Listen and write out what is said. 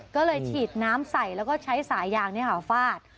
ก็เลยฉีดน้ำใส่แล้วก็ใช้สายยางฟาด